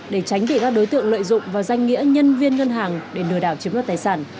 để tránh bị các đối tượng lợi dụng vào danh nghĩa nhân viên ngân hàng để lừa đảo chiếm đoạt tài sản